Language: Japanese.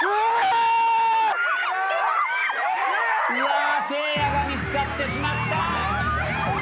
うわーせいやが見つかってしまった。